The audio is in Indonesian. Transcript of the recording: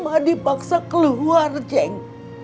ma dipaksa keluar jeng